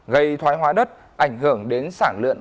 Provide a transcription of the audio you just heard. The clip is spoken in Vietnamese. gây thoái hóa đất ảnh hưởng đến sản lượng